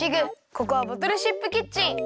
ここはボトルシップキッチン。